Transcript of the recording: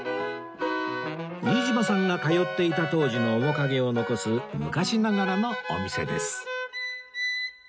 飯島さんが通っていた当時の面影を残す昔ながらのお店です